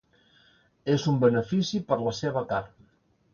És un benefici per la seva carn.